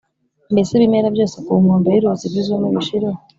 mbese ibimera byose ku nkombe y’uruzi bizume, bishireho,